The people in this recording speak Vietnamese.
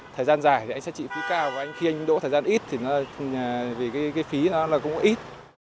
thời gian dài thì anh sẽ trị phí cao và anh khi anh đỗ thời gian ít thì cái phí nó cũng ít